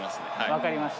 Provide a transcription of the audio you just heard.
分かりました。